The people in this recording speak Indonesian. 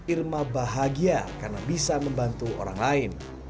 irma bahagia karena bisa membantu orang lain